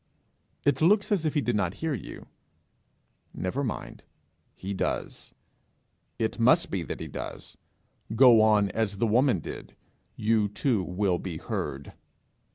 It looks as if he did not hear you: never mind; he does; it must be that he does; go on as the woman did; you too will be heard.